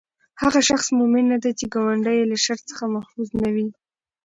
هغه شخص مؤمن نه دی، چې ګاونډی ئي له شر څخه محفوظ نه وي